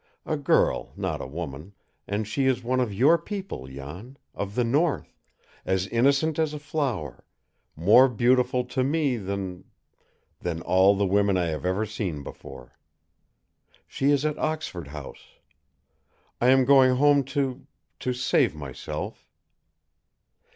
"A girl not a woman, and she is one of your people, Jan of the north, as innocent as a flower, more beautiful to ME than than all the women I have ever seen before. She is at Oxford House. I am going home to to save myself."